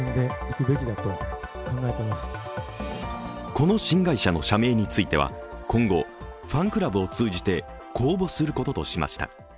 この新会社の社名については今後、ファンクラブを通じて公募することとしました。